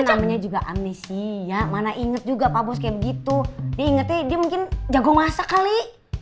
namanya juga amnesi ya mana inget juga pak bos kayak begitu dia ingetnya dia mungkin jago masak kali